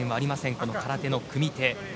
この空手の組手。